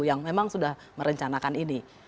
yang memang sudah merencanakan ini